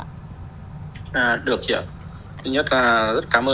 à được chị ạ